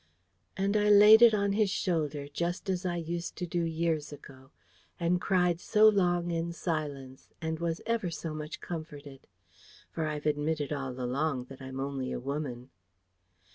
And I laid it on his shoulder, just as I used to do years ago, and cried so long in silence, and was ever so much comforted. For I've admitted all along that I'm only a woman.